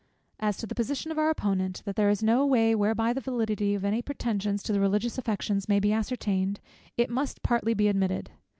As to the position of our Opponent, that there is no way whereby the validity of any pretensions to the religious affections may be ascertained; it must partly be admitted.